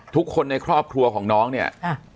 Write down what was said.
ทุกคนในครอบครัวของน้องเนี่ย